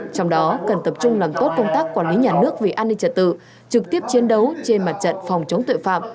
trong đó cần tập trung làm tốt công tác quản lý nhà nước về an ninh trật tự trực tiếp chiến đấu trên mặt trận phòng chống tội phạm